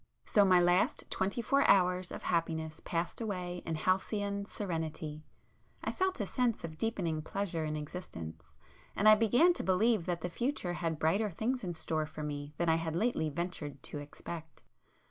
So my last twenty four hours of happiness passed away in halcyon serenity,—I felt a sense of deepening pleasure in existence, and I began to believe that the future had brighter things in store for me than I had lately ventured to expect.